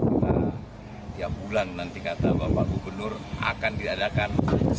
kita tiap bulan nanti kata bapak gubernur akan diadakan